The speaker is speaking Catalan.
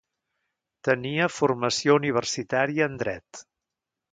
Tenia formació universitària en dret.